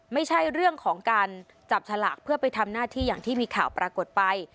ไม่ใช่เรื่องของการจับฉลากเพื่อไปทำหน้าที่อย่างที่มีข่าวปรากฏไป